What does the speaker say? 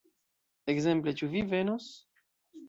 Ekzemple "Ĉu vi venos?